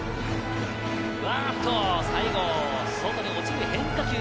あっと、最後、外に落ちる変化球。